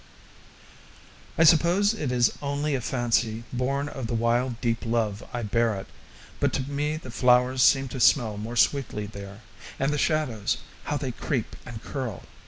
I suppose it is only a fancy born of the wild deep love I bear it, but to me the flowers seem to smell more sweetly there; and the shadows, how they creep and curl!